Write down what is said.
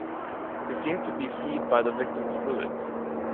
They seem to be feed by the victims fluids.